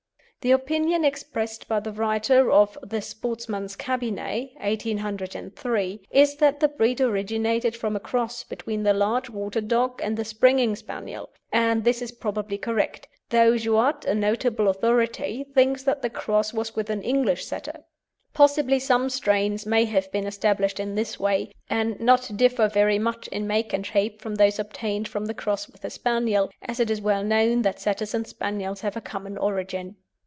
The opinion expressed by the writer of The Sportsman's Cabinet, 1803, is that the breed originated from a cross between the large water dog and the Springing Spaniel, and this is probably correct, though Youatt, a notable authority, thinks that the cross was with an English Setter. Possibly some strains may have been established in this way, and not differ very much in make and shape from those obtained from the cross with the Spaniel, as it is well known that Setters and Spaniels have a common origin.